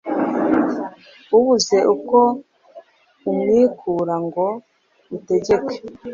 Ubuze uko umwikura ngo utegeke